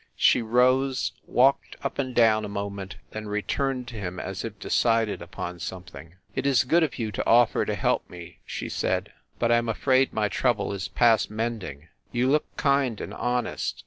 She rose, walked up and down a moment, then returned to him as if decided upon something. "It is good of you to offer to help me," she said, "but I am afraid my trouble is past mending. You look kind and honest.